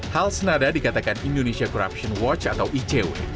hal senada dikatakan indonesia corruption watch atau icw